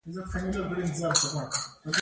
کورنۍ سوداګري په دوه ډوله ترسره کېږي